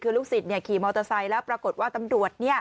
คือลูกศิษย์ขี่มอเตอร์ไซค์แล้วปรากฏว่าตำรวจ